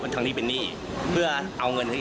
ที่สูงคุณที่สุดทางกฎหมาย